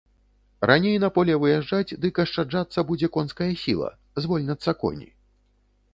Раней на поле выязджаць, дык ашчаджацца будзе конская сіла, звольняцца коні.